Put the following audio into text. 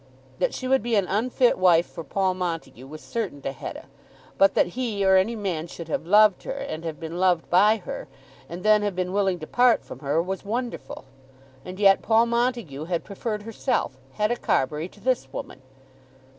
That she would be an unfit wife for Paul Montague was certain to Hetta, but that he or any man should have loved her and have been loved by her, and then have been willing to part from her, was wonderful. And yet Paul Montague had preferred herself, Hetta Carbury, to this woman!